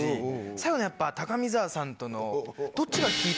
最後のやっぱ高見沢さんとの。